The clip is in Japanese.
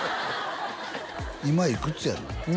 今いくつやの？